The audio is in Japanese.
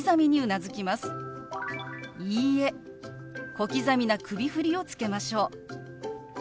小刻みな首振りをつけましょう。